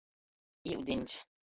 Iudiņs.